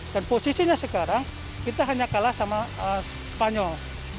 dan posisinya sekarang kita hanya kalah sama spanyol